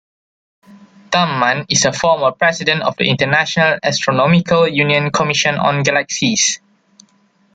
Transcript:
Tammann is a former President of the International Astronomical Union Commission on Galaxies.